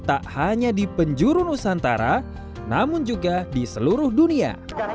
tak hanya di penjuru nusantara namun juga di seluruh dunia